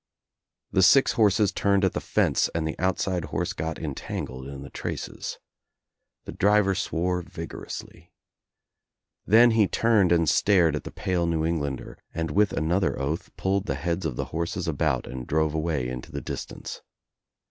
The six horses turned at the fence and the outside horse got entangled in the traces. The driver swore vigorously. Then he turned and started at the pale 144 THE TRIUMPH OF THE EGG New Englander and with another oath pulled the heads of the horses about and drove away Into the distance.